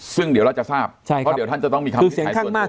ซึ่งเดี๋ยวเราจะทราบเพราะเดี๋ยวท่านจะต้องมีคำวินิจฉัยส่วนมาก